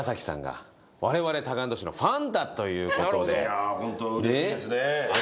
いやホントうれしいですね。